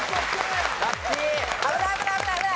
危ない危ない危ない危ない。